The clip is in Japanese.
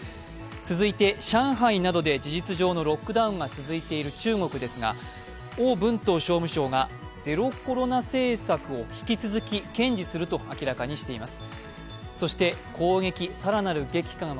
続いて上海などで事実上のロックダウンが続いている中国、王文濤商務相がゼロコロナ政策を引き続き堅持すると明らかにしています。